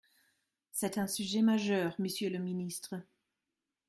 C’est un sujet majeur, monsieur le ministre.